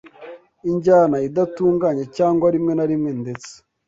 injyana idatunganye” cyangwa rimwe na rimwe ndetse